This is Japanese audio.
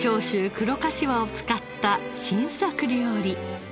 黒かしわを使った新作料理。